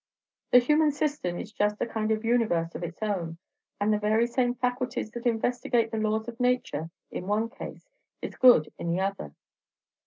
The human system is just a kind of universe of its own; and the very same faculties that investigate the laws of nature in one case is good in the other."